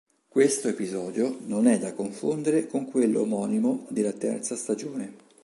Questo episodio non è da confondere con quello omonimo della terza stagione.